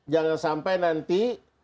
jangan sampai nanti